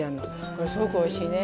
これすごくおいしいね。